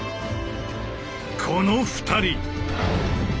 この２人！